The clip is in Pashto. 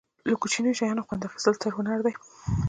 له کوچنیو شیانو خوند اخستل ستر هنر دی.